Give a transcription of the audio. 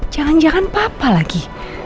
jangan jangan papa lagi